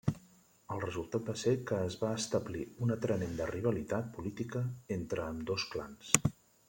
El resultat va ser que es va establir una tremenda rivalitat política entre ambdós clans.